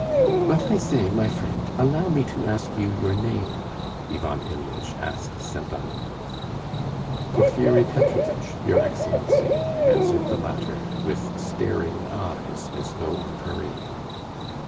"But I say, my friend, allow me to ask you your name," Ivan Ilyitch asked Pseldonimov. "Porfiry Petrovitch, your Excellency," answered the latter, with staring eyes as though on parade.